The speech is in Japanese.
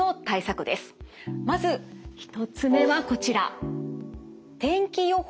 まず１つ目はこちら。